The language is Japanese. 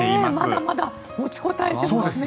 まだまだ持ちこたえていますね。